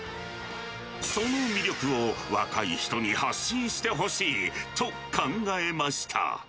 その魅力を若い人に発信してほしいと考えました。